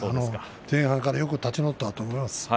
前半からよく立ち直ったと思います。